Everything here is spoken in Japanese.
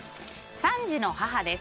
３児の母です。